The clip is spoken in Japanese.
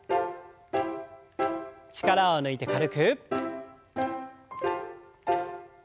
力を抜いて軽く。